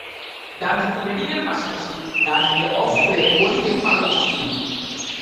ডানহাতি ব্যাটিংয়ের পাশাপাশি, ডানহাতে অফ ব্রেক বোলিংয়ে পারদর্শী তিনি।